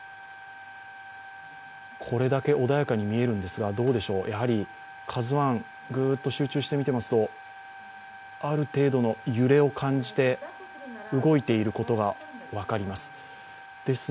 これだけ穏やかに見えるんですがやはり「ＫＡＺＵⅠ」、グーッと集中して見ていますとある程度の揺れを感じて動いていることが分かります。